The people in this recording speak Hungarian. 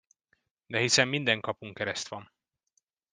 De hiszen minden kapun kereszt van!